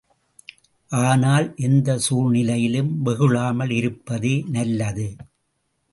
ஆனால், எந்தச் சூழ்நிலையிலும் வெகுளாமல் இருப்பதே நல்லது.